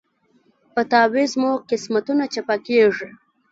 په تعویذ مو قسمتونه چپه کیږي